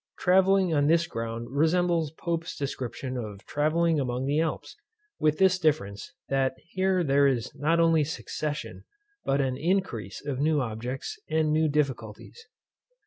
Travelling on this ground resembles Pope's description of travelling among the Alps, with this difference, that here there is not only succession, but an increase of new objects and new difficulties.